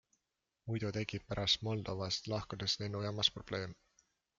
Muidu tekib pärast Moldovast lahkudes lennujaamas probleem.